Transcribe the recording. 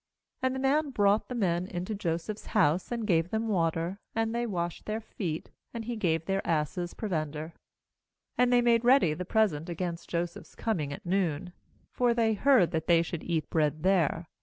^And the man brought the men into Joseph's house, and gave them water, and they washed their feet; and he gave their asses proven GENESIS 44.15 der. 25And they made ready the present against Joseph's coming at noon; for they heard that they should eat bread there.